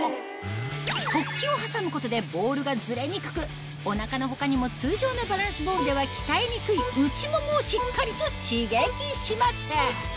突起を挟むことでボールがズレにくくお腹の他にも通常のバランスボールでは鍛えにくい内ももをしっかりと刺激します